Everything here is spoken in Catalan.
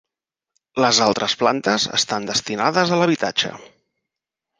Les altres plantes estan destinades a l'habitatge.